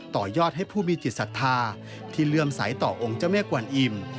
ต่อยอดให้ผู้มีจิตศรัทธาที่เลื่อมใสต่อองค์เจ้าแม่กวนอิ่ม